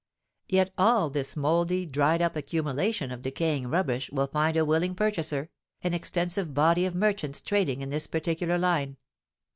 Yet all this mouldy, dried up accumulation of decaying rubbish will find a willing purchaser, an extensive body of merchants trading in this particular line.